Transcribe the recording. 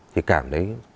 thì cảm thấy rất là đẹp